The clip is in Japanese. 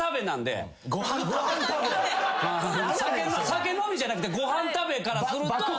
酒飲みじゃなくてご飯食べからすると。